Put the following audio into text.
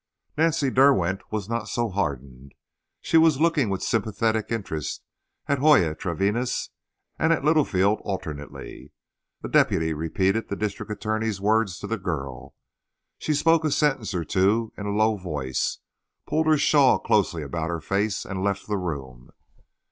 Nancy Derwent was not so hardened. She was looking with sympathetic interest at Joya Treviñas and at Littlefield alternately. The deputy repeated the district attorney's words to the girl. She spoke a sentence or two in a low voice, pulled her shawl closely about her face, and left the room.